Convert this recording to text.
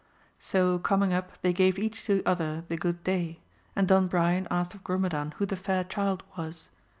So coming up they gave each to other the good day ! and Don Brian asked of Grumedan who the fair child was.